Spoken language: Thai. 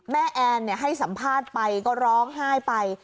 แอนให้สัมภาษณ์ไปก็ร้องไห้ไป